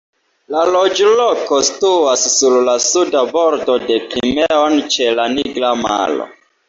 La loĝloko situas sur la Suda Bordo de Krimeo ĉe la Nigra maro.